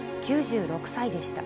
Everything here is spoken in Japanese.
９６歳でした。